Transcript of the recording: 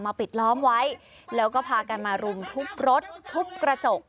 ปิดล้อมไว้แล้วก็พากันมารุมทุบรถทุบกระจก